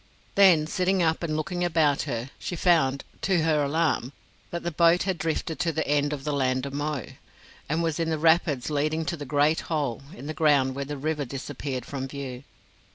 Then, sitting up and looking about her, she found, to her alarm, that the boat had drifted to the end of the Land of Mo, and was in the rapids leading to the Great Hole in the ground where the river disappeared from view.